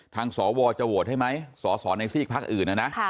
สวจะโหวตให้ไหมสอสอในซีกพักอื่นนะนะ